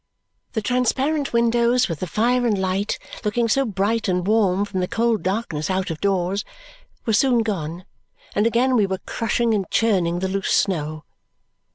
The transparent windows with the fire and light, looking so bright and warm from the cold darkness out of doors, were soon gone, and again we were crushing and churning the loose snow.